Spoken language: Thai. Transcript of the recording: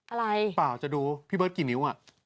อะไรพี่เบิ้ลกี่นิ้วอ่ะ